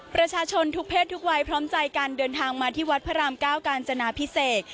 ประชาชนทุกเพศทุกวัยพร้อมใจการเดินทางมาที่วัดพระรามเก้ากาญจนาพิเศษ